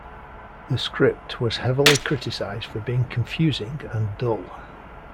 The script was heavily criticized for being confusing and dull.